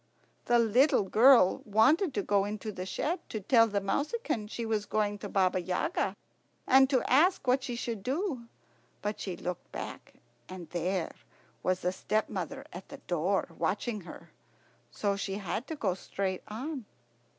The little girl wanted to go into the shed to tell the mouseykin she was going to Baba Yaga, and to ask what she should do. But she looked back, and there was the stepmother at the door watching her. So she had to go straight on.